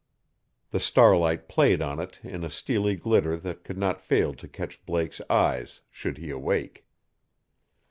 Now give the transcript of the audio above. The starlight played on it in a steely glitter that could not fail to catch Blake's eyes should he awake.